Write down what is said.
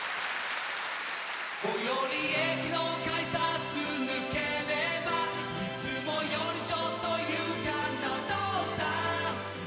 「最寄り駅の改札抜ければ」「いつもよりちょっと勇敢なお父さん」